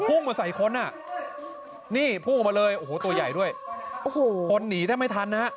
มาใส่คนอ่ะนี่พุ่งออกมาเลยโอ้โหตัวใหญ่ด้วยโอ้โหคนหนีแทบไม่ทันนะฮะ